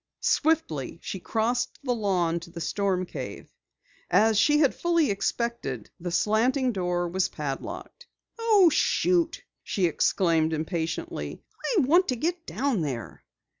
Swiftly she crossed the lawn to the storm cave. As she had fully expected, the slanting door was padlocked. "Oh, shoot!" she exclaimed impatiently. "I want to get down there!"